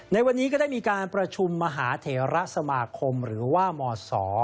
ในวันนี้ก็ได้มีการประชุมมหาเถระสมาคมหรือว่ามศ